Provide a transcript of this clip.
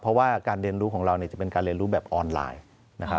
เพราะว่าการเรียนรู้ของเราจะเป็นการเรียนรู้แบบออนไลน์นะครับ